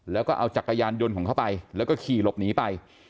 แล้วก็เอาจักรยานยนต์ของเขาไปแล้วก็ขี่หลบหนีไป